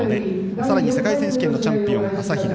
さらに世界選手権のチャンピオン朝比奈。